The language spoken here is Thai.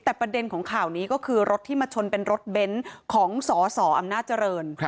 แต่ประเด็นของข่าวนี้ก็คือรถที่มาชนเป็นรถเบ้นของสอสออำนาจเจริญ